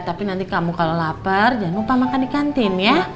tapi nanti kamu kalau lapar jangan lupa makan di kantin ya